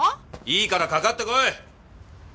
いいからかかってこい！